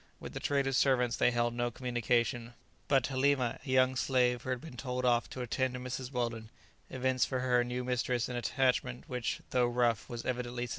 With the traders' servants they held no communication, but Halima, a young slave who had been told off to attend to Mrs. Weldon, evinced for her new mistress an attachment which, though rough, was evidently sincere.